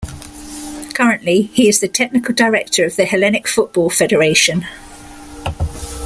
Currently, he is the technical director of the Hellenic Football Federation.